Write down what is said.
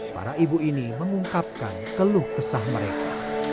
para ibu ini mengungkapkan keluh kesah mereka